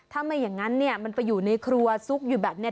ถ้าไม่อย่างนั้นเนี่ยมันไปอยู่ในครัวซุกอยู่แบบนี้